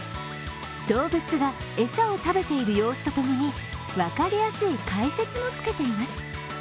動物が餌を食べている様子と共に分かりやすい解説もつけています。